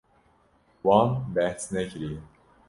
Wan behs nekiriye.